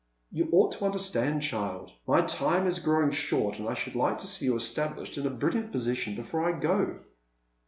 " You ought to understand, child. My time is growing short, and I should hke to see you established in a brilliant position before I go."